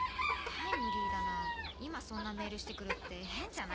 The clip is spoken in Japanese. タイムリーだな今そんなメールして来るって変じゃない？